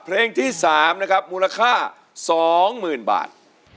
เพลงที่๓นะครับมูลค่า๒๐๐๐บาท